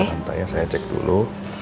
tante ya saya cek dulu